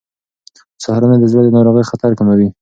سهارنۍ د زړه د ناروغۍ خطر کموي.